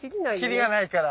キリがないから。